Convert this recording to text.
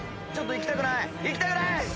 行きたくない！